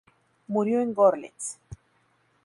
Murió en Görlitz.